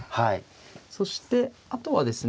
そしてあとはですね